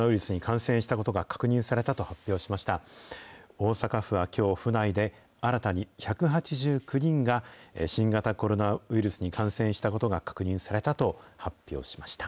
大阪府はきょう、府内で新たに１８９人が、新型コロナウイルスに感染したことが確認されたと発表しました。